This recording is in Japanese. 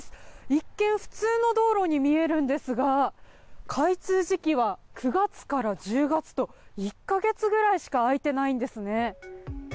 一見、普通の道路に見えるんですが開通時期は９月から１０月と１か月ぐらいしか開いていないんですね。